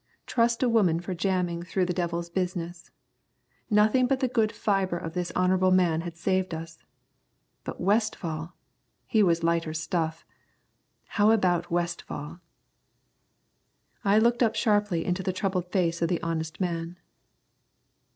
Trust a woman for jamming through the devil's business. Nothing but the good fibre of this honourable man had saved us. But Westfall! He was lighter stuff. How about Westfall? I looked up sharply into the troubled face of the honest man.